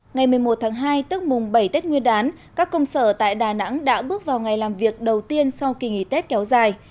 ngày một mươi một tháng hai tức mùng bảy tết nguyên đán các công sở tại đà nẵng đã bước vào ngày làm việc đầu tiên sau kỳ nghỉ tết kéo dài